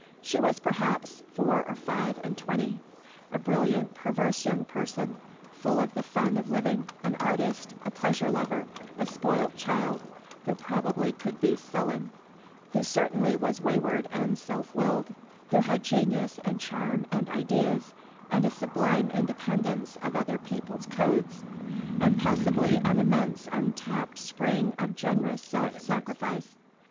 She was perhaps four or five and twenty; a brilliant, perverse young person, full of the fun of living, an artist, a pleasure lover, a spoilt child, who probably could be sullen, who certainly was wayward and self willed, who had genius and charm and ideas and a sublime independence of other people's codes, and possibly an immense untapped spring of generous self sacrifice.